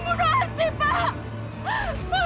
kitip pendek jatiit yang